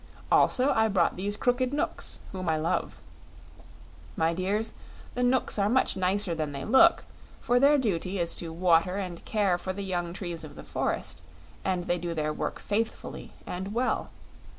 Also I brought these crooked Knooks, whom I love. My dears, the Knooks are much nicer than they look, for their duty is to water and care for the young trees of the forest, and they do their work faithfully and well.